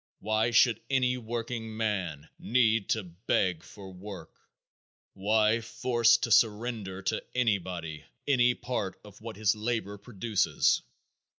Why should any workingman need to beg for work? Why forced to surrender to anybody any part of what his labor produces?